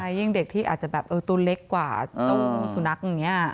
ยิ่งเด็กที่อาจจะแบบตัวเล็กกว่าเจ้าสุนัขอย่างนี้